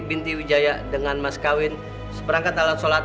linti wijaya dengan mas kawin tersebut